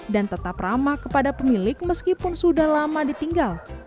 dan tetap ramah kepada pemilik meskipun sudah lama ditinggal